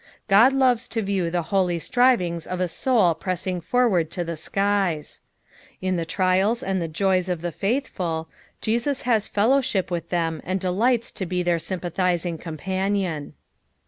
God loves to view the holy strivings of a soul pressing forward to tbe ■kies. In the trials and the joys of the faithful, Jesus bos fellowship with theno, and delights to be their sympathising companion.